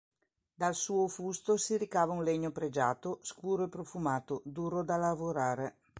Dal suo fusto si ricava un legno pregiato, scuro e profumato, duro da lavorare.